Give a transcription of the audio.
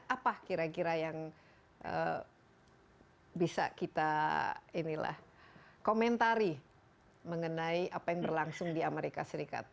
apa kira kira yang bisa kita komentari mengenai apa yang berlangsung di amerika serikat